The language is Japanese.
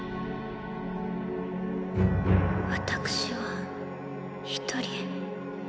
私は一人。